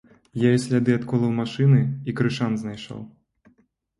Я і сляды ад колаў машыны, і крышан знайшоў!